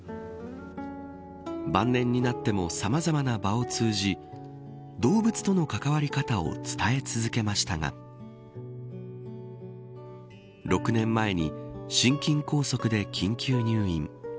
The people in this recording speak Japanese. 晩年になってもさまざまな場を通じ動物との関わり方を伝え続けましたが６年前に心筋梗塞で緊急入院。